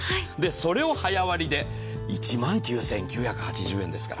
それを早割で１万９９８０円ですから。